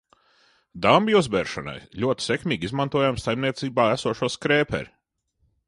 Dambju uzbēršanai ļoti sekmīgi izmantojām saimniecībā esošo skrēperi.